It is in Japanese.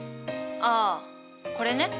ああこれね。